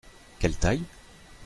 Quelle taille ?